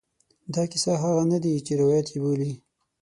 دا کیسې هغه نه دي چې روایت یې بولي.